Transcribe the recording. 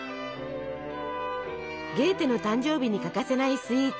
ゲーテの誕生日に欠かせないスイーツ